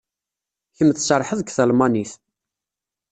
Kemm tserrḥeḍ deg talmanit.